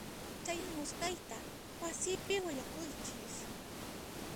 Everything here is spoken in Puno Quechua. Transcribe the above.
Chayamusqayta wasipi willakuychis.